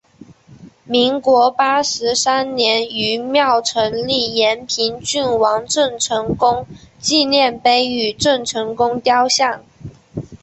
民国八十三年于庙埕立延平郡王郑成功纪念碑与郑成功雕像。